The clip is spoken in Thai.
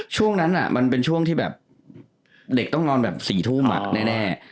ช่วงนั้นมันเป็นช่วงที่แบบเด็กต้องนอนแบบ๔ทุ่มแน่